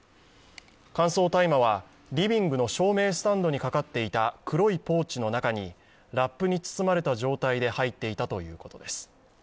乾燥大麻はリビングの照明スタンドにかかっていた黒いポーチの中に、ラップに包まれた状態で入っていたということです。